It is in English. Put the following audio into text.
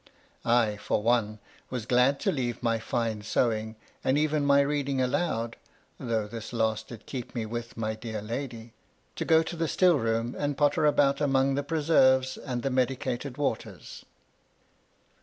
I, for one, was glad to leave my fine sewing, and even my reading aloud, (though this last did keep me with my dear lady,) to go to the still room and potter about among the preserves and the medicated waters.